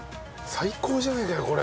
最高じゃないかよこれ。